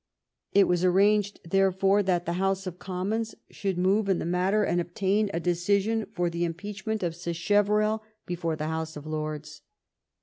It was arranged, therefore, that the House of Commons should move in the mat ter and obtain a decision for the impeachment of Sacheverell before the House of Lords.